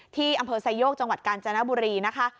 ที่อำเภอไซโยกจังหวัดกาญจนบุรีนะคะ